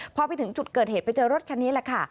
พอไปถึงจุดเกิดเหตุไปเจอรถคันนี้แหละค่ะ